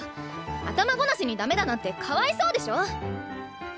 頭ごなしにダメだなんてかわいそうでしょ！